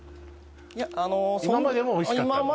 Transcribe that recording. いやあの今までもおいしかったの？